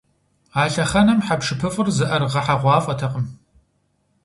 А лъэхъэнэм хьэпшыпыфӏыр зыӏэрыгъэхьэгъуафӏэтэкъым.